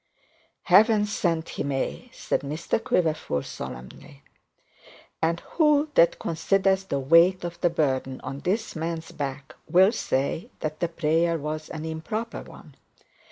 'Heaven send he may,' said Mr Quiverful, solemnly. And who that considers the weight of the burden on this man's back, will say that the prayer was an improper one?